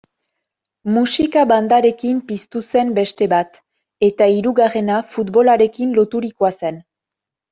Musika-bandarekin piztu zen beste bat, eta hirugarrena futbolarekin loturikoa zen.